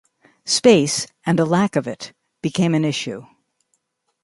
Space, and a lack of it, became an issue.